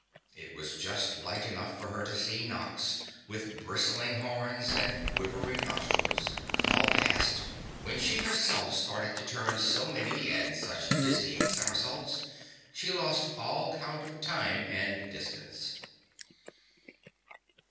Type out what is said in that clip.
It was just light enough for her to see Nox, with bristling horns and quivering nostrils, fall past, when she herself started to turn so many and such dizzy somersaults she lost all count of time and distance.